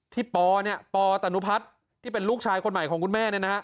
ที่ปตนุพัฒน์ที่เป็นลูกชายคนใหม่ของคุณแม่